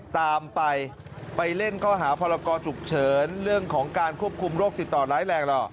ตามไปไปเล่นข้อหาพรกรฉุกเฉินเรื่องของการควบคุมโรคติดต่อร้ายแรงหรอก